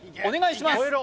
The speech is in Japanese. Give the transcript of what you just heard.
お願いします